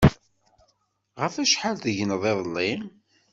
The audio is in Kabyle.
Ɣef acḥal tegneḍ iḍelli?